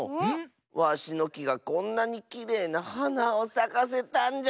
わしのきがこんなにきれいなはなをさかせたんじゃよ！